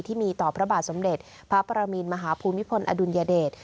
ที่มีต่อพระบาทสมเด็จพระปรมินมหาภูมิพลอดุลยเดช